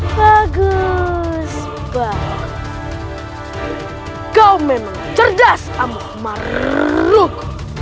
bagus banget kau memang cerdas amoh maruk